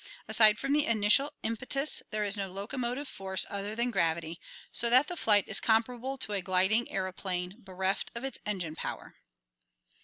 Aside from the initial impetus there is no locomotive force other than gravity, so that the flight is comparable to a gliding aeroplane bereft of its engine power.